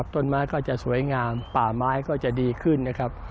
ต้นไม้ก็จะสวยงามป่าไม้ก็จะดีขึ้นนะครับ